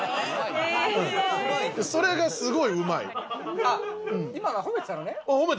それがすごいうまい。